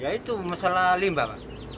ya itu masalah limbah